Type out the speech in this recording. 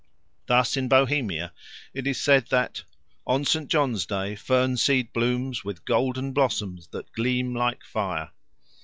Thus in Bohemia it is said that "on St. John's Day fern seed blooms with golden blossoms that gleam like fire."